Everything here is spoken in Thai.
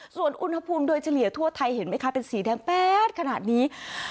ส่วนอุณหภูมิโดยเฉลี่ยทั่วไทยเห็นไหมคะเป็นสีแดงแป๊ดขนาดนี้